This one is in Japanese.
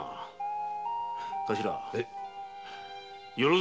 頭